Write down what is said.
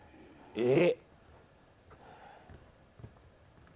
えっ？